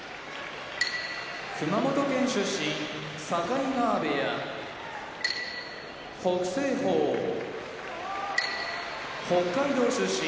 熊本県出身境川部屋北青鵬北海道出身